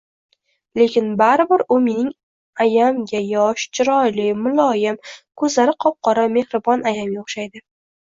Lekin baribir u mening ayamgayosh, chiroyli, muloyim, koʻzlari qop-qora, mehribon ayamga oʻxshaydi